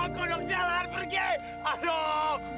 kodok jalan pergi aduh